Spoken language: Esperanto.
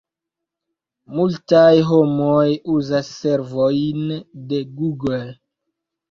Multaj homoj uzas servojn de Google.